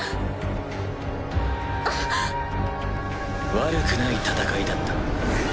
悪くない戦いだった。